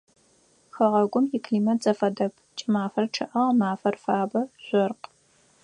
Хэгъэгум иклимат зэфэдэп: кӏымафэр чъыӏэ, гъэмафэр фабэ, жъоркъ.